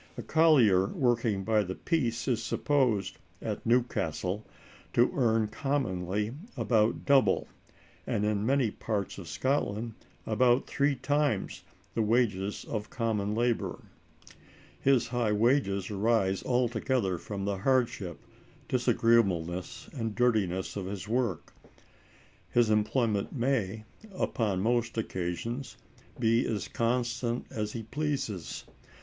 A collier working by the piece is supposed, at Newcastle, to earn commonly about double, and in many parts of Scotland about three times, the wages of common labor. His high wages arise altogether from the hardship, disagreeableness, and dirtiness of his work. His employment may, upon most occasions, be as constant as he pleases.